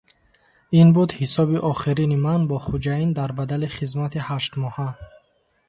Ин буд ҳисоби охирини ман бо хӯҷаин дар бадали хизмати ҳаштмоҳа.